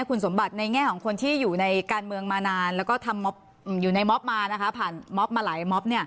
คุณสมบัติในแง่ของคนที่อยู่ในการเมืองมานานแล้วก็ทำอยู่ในม็อบมาผ่านมอบมาหลายม็อบ